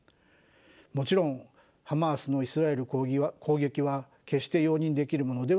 もちろんハマースのイスラエル攻撃は決して容認できるものではありません。